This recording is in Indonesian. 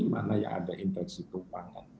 mana yang ada infeksi tumpangan